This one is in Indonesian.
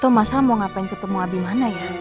tuh mas al mau ngapain ketemu abimana ya